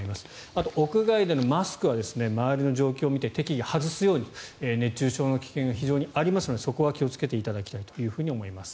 あと、屋外でのマスクは周りの状況をも見て適宜、外すように熱中症の危険が非常にありますのでそこは気をつけていただきたいと思います。